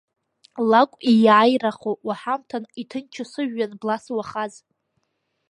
Лакәк ииааирахо уаҳамҭан, иҭынчу сыжәҩан блас уахаз.